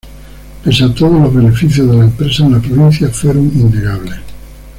Pese a todo los beneficios de la empresa en la provincia fueron innegables.